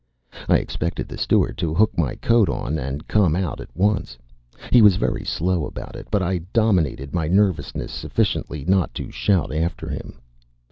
I expected the steward to hook my coat on and come out at once. He was very slow about it; but I dominated my nervousness sufficiently not to shout after him.